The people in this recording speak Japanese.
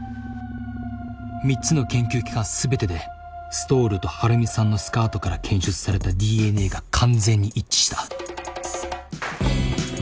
３つの研究機関全てでストールと晴美さんのスカートから検出されたＤＮＡが完全に一致した。